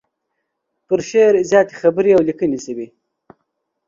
په شعر زياتې خبرې او ليکنې شوي دي.